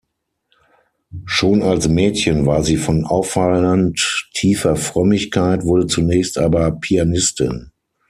Schon als Mädchen war sie von auffallend tiefer Frömmigkeit, wurde zunächst aber Pianistin.